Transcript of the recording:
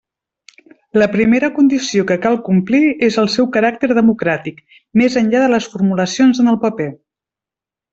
La primera condició que cal complir és el seu caràcter democràtic, més enllà de les formulacions en el paper.